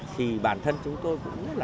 thì bản thân chúng tôi